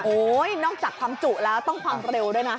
นอกจากความจุแล้วต้องความเร็วด้วยนะ